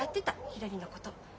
ひらりのこと。